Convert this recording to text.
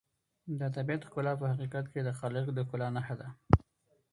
د طبیعت ښکلا په حقیقت کې د خالق د ښکلا نښه ده.